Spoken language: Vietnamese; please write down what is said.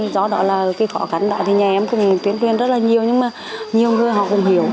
do đó là khi khó khăn đó thì nhà em cũng tuyên truyền rất là nhiều nhưng mà nhiều người họ cũng hiểu